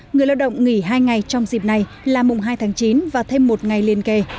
người lao động nghỉ hai ngày trong dịp này là mùng hai tháng chín và thêm một ngày liên kề